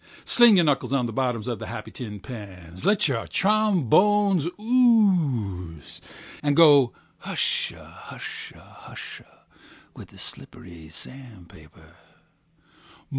Sling your knuckles on the bottoms of the happy tin pans, let your trombones ooze, and go hushahusha hush with the slippery sand paper.